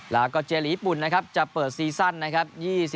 แล้วก็เจลีญี่ปุ่นนะครับจะเปิดซีซั่นนะครับ